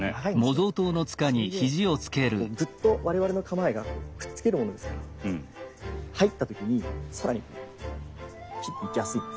それでこうぐっと我々の構えがくっつけるものですから入った時に更にいきやすいんですね。